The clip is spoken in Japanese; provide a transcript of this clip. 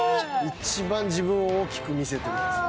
一番自分を大きく見せてるやつ。